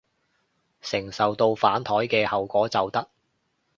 承受到反枱嘅後果就得